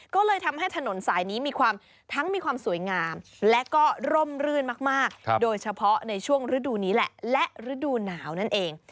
ก็เลยทำให้ถนนสายนี้มีความทั้งมีความสวยงามและก็ร่มรื่นมากโดยเฉพาะในช่วงฤดูนี้แหละและฤดูหนาวนั่นเอง